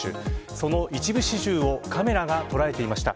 その一部始終をカメラが捉えていました。